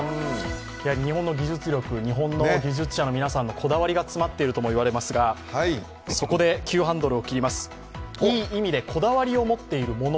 日本の技術力、日本の技術者の皆さんのこだわりが詰まっていると思いますがそこで、いい意味でこだわりを持っているもの